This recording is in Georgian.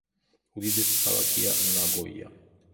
უდიდესი ქალაქია ნაგოია.